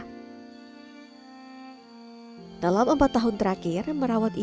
justru menjadi pemanti kesemangat bagi divi